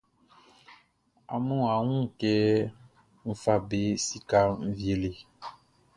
Amun a wun kɛ n fa be sikaʼn wie le?